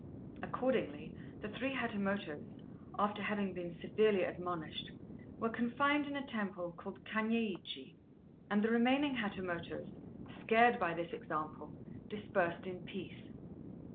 Accordingly the three Hatamotos, after having been severely admonished, were confined in a temple called Kanyeiji; and the remaining Hatamotos, scared by this example, dispersed in peace.